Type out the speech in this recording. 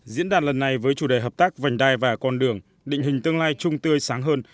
diễn đàn lần này với chủ đề hợp tác vành đai và con đường định hình tương lai trung tươi sáng hơn